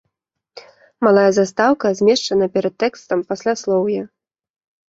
Малая застаўка змешчана перад тэкстам пасляслоўя.